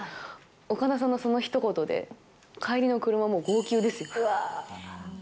岡田さんのその一言で帰りの車、もう号泣ですよ。